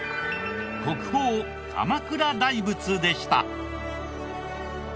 国宝鎌倉大仏でした。